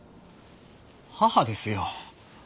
母ですよ。